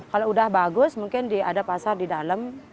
kalau udah bagus mungkin ada pasar di dalam